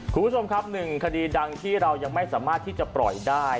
คุณผู้ชมครับหนึ่งคดีดังที่เรายังไม่สามารถที่จะปล่อยได้